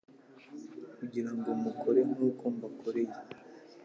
kugira ngo mukore nk'uko mbakoreye.»